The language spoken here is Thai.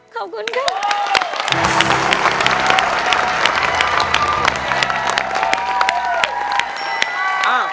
ขอบคุณค่ะ